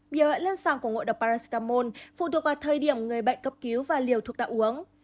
biểu hạn lân sàng của ngộ độc paracetamol phụ thuộc vào thời điểm người bệnh cấp cứu và liều thuốc đã uống